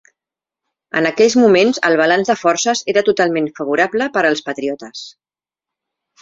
En aquells moments el balanç de forces era totalment favorable per als patriotes.